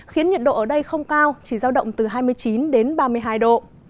khiến nhiệt độ ở đây không cao chỉ giao động từ hai mươi chín đến ba mươi hai độ